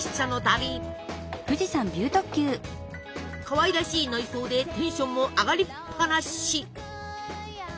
かわいらしい内装でテンションも上がりっぱなし！